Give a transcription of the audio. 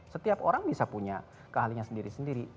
setiap orang bisa punya keahliannya sendiri sendiri